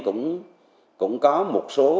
cũng có một số